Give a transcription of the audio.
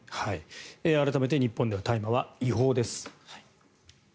改めて日本では大麻は違法です。